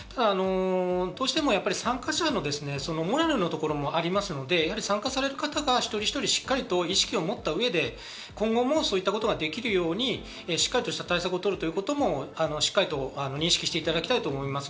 どうしても参加者のモラルのところもありますので、参加される方が一人一人しっかりと意識を持った上で、今後もそういったことができるように、しっかりとした対策を取るということも認識していただきたいと思います。